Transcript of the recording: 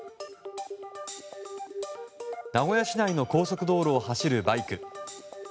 名古屋市内の高速道路を走るバイク。